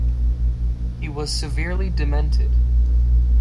He was severely demented.